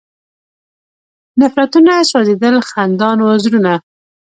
نفرتونه سوځېدل، خندان و زړونه